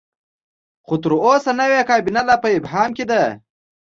خو تر اوسه نوې کابینه لا په ابهام کې ده.